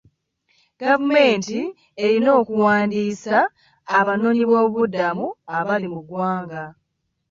Gavumenti erina okuwandiisa abanoonyiboobubudamu abali mu ggwanga.